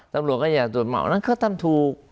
ตำรวจก็อย่าตรวจหม่อนั่นก็ทำถูก